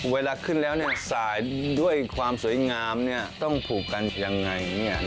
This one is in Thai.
เวลาขึ้นแล้วสายด้วยความสวยงามต้องผูกกันยังไง